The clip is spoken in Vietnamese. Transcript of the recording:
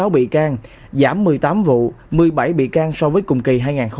sáu bị can giảm một mươi tám vụ một mươi bảy bị can so với cùng kỳ hai nghìn hai mươi hai